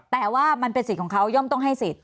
แต่ว่ามันเป็นสิทธิ์ของเขาย่อมต้องให้สิทธิ